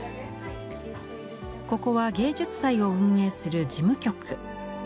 ここは芸術祭を運営する事務局。